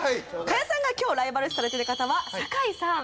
賀屋さんが今日ライバル視されてる方は酒井さん。